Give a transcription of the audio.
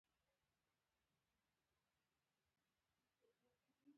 سر دردي يې ډېره شوې وه.